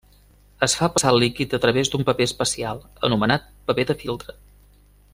Es fa passar el líquid a través d'un paper especial, anomenat paper de filtre.